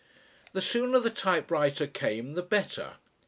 The sooner the typewriter came the better.